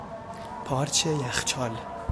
پارچ یخچال